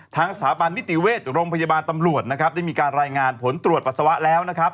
ทางสถาบันวิติเวชโรงพยาบาลตำรวจได้มีการรายงานผลตรวจปัสสาวะแล้ว